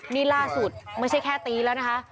นี่ล่าสุดไม่ใช่แค่ตีแล้วนะคะ